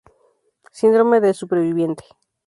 Síndrome del superviviente